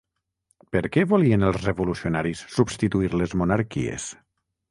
Per què volien els revolucionaris substituir les monarquies?